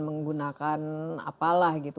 menggunakan apalah gitu